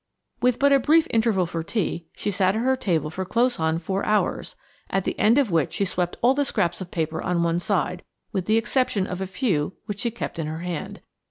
With but a brief interval for tea, she sat at her table for close on four hours, at the end of which she swept all the scraps of paper on one side, with the exception of a few which she kept in her hand.